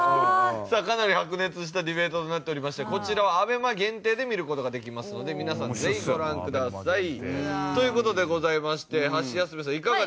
さあかなり白熱したディベートとなっておりましてこちらはＡＢＥＭＡ限定で見る事ができますので皆さんぜひご覧ください。という事でございましてハシヤスメさんいかがでしたか？